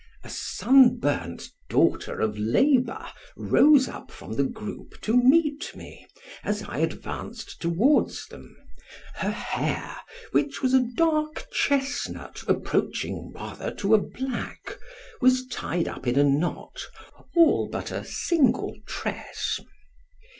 A sun burnt daughter of Labour rose up from the groupe to meet me, as I advanced towards them; her hair, which was a dark chesnut approaching rather to a black, was tied up in a knot, all but a single tress.